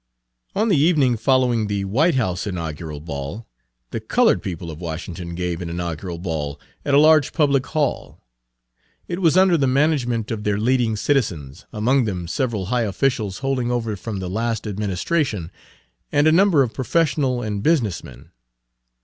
On the evening following the White House inaugural ball, the colored people of Washington gave an "inaugural" ball at a large public hall. It was under the management of their leading citizens, among them several high officials holding over from the last administration, and a number of professional and business men.